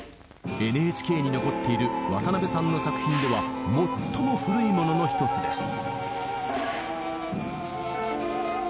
ＮＨＫに残っている渡辺さんの作品では最も古いものの一つです。